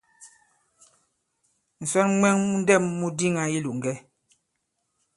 Ǹsɔn mwɛ̄ŋ mu ndɛ̂m mu diŋā i ilòŋgɛ.